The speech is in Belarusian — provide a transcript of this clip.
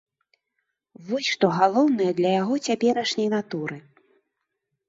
Вось што галоўнае для яго цяперашняй натуры.